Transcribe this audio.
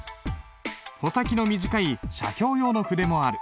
穂先の短い写経用の筆もある。